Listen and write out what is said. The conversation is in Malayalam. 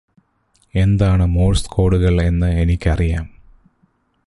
എന്താണ് മോഴ്സ് കോഡുകൾ എന്ന് എനിക്കറിയാം